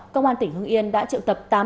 công an tỉnh hương yên đã triệu tập tám đối tượng